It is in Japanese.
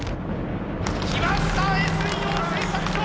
きましたＳ陽製作所！